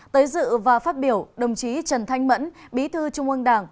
tới dự và phát biểu đồng chí trần thanh mẫn bí thư trung ương đảng